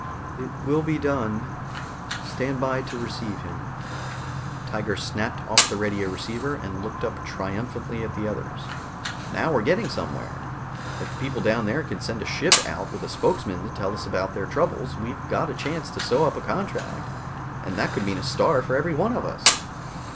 "It will be done. Stand by to receive him." Tiger snapped off the radio receiver and looked up triumphantly at the others. "Now we're getting somewhere. If the people down there can send a ship out with a spokesman to tell us about their troubles, we've got a chance to sew up a contract, and that could mean a Star for every one of us."